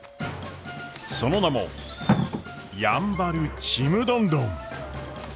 その名も「やんばるちむどんどん」。